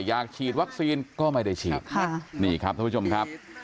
อยากฉีดวัคซีนก็ไม่ได้ฉีดค่ะนี่ครับท่านผู้ชมครับ